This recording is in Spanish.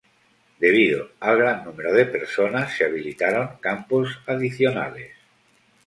Debido al gran número de personas se habilitaron campos adicionales.